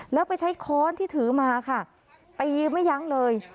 แล้วไปใช้ค้อนที่ถือมาค่ะตีไม่ยั้งเลย